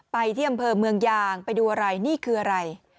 ไปที่อำเภอเมืองยางไปดูอะไรนี่คืออะไร